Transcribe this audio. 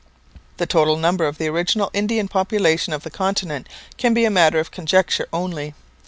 The total number of the original Indian population of the continent can be a matter of conjecture only.